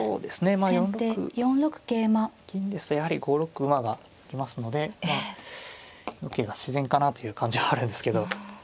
まあ４六銀ですとやはり５六馬が来ますので桂が自然かなという感じはあるんですけど。